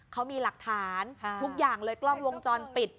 เขามีหลักฐานทุกอย่างเลยกล้องวงจรปิด